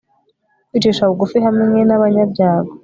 kwicisha bugufi hamwe n'abanyabyago